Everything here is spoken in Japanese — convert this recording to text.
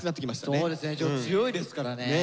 そうですねちょっと強いですからね。